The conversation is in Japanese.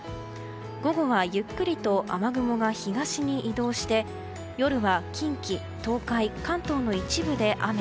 午後はゆっくりと雨雲が東に移動して夜は近畿、東海、関東の一部で雨。